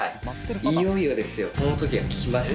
いよいよですよ、このときが来ました。